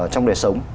trong đời sống